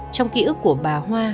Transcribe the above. trong kỷ ức của bà hoa